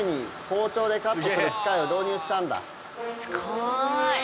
すごい。